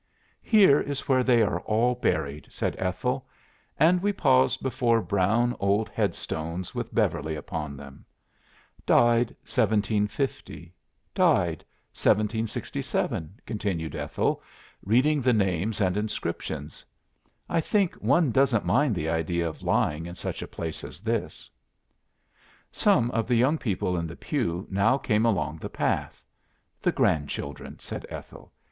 "'Here is where they are all buried,' said Ethel, and we paused before brown old headstones with Beverly upon them. 'Died 1750; died 1767,' continued Ethel, reading the names and inscriptions. 'I think one doesn't mind the idea of lying in such a place as this.'" "Some of the young people in the pew now came along the path. 'The grandchildren,' said Ethel.